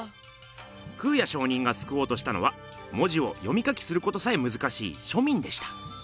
空也上人がすくおうとしたのは文字を読み書きすることさえむずかしい庶民でした。